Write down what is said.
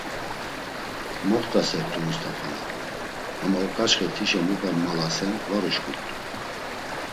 Moxt̆asert̆u Must̆afana, ama uǩaçxe tişa mupe malasen var uşǩurt̆u.